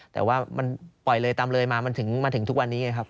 แต่ว่ามันปล่อยเลยตามเลยมามันมาถึงทุกวันนี้ไงครับ